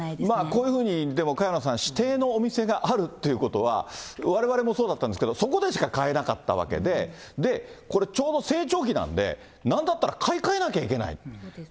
まあこういうふうに、萱野さん、指定のお店があるっていうことは、われわれもそうだったんですけど、そこでしか買えなかったわけで、これ、ちょうど成長期なんで、なんだったら買い替えなきゃいけない。